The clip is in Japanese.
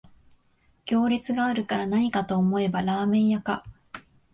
行列があるからなにかと思えばラーメン屋か